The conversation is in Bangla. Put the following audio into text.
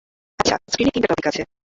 আচ্ছা, স্ক্রিনে তিনটা টপিক আছে।